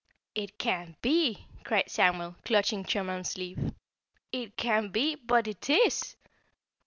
"It can't be!" cried Samuel, clutching Chunum's sleeve. "It can't be, but it is!"